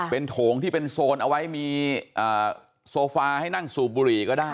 เป็นโถงที่เป็นโซนเอาไว้มีโซฟาให้นั่งสูบบุหรี่ก็ได้